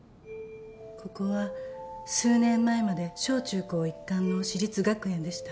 ここは数年前まで小中高一貫の私立学園でした。